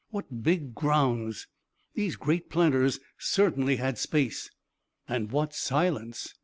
What big grounds! These great planters certainly had space!" "And what silence!"